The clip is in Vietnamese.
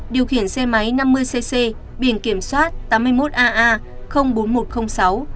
điều khiển xe máy năm mươi cc biển kiểm soát tám mươi một aa bốn nghìn một trăm linh sáu